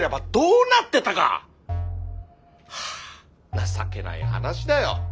ハァ情けない話だよ。